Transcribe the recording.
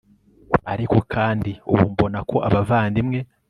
ariko kandi, ubu mbona ko abavandimwe